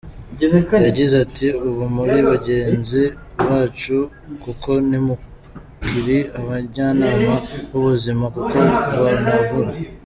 Yagize ati “Ubu muri bagenzi bacu kuko ntimukiri abajyanama b’ubuzima kuko munavura.